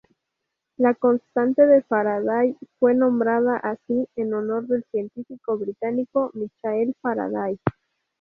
La constante de Faraday fue nombrada así en honor del científico británico Michael Faraday.